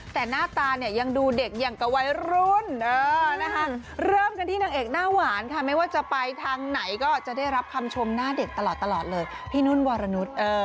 แต่หน้าตาเนี่ยยังดูเด็กอย่างกับวัยรุ่นเริ่มกันที่นางเอกหน้าหวานค่ะไม่ว่าจะไปทางไหนก็จะได้รับคำชมหน้าเด็กตลอดเลยพี่นุ่นวารนุษย์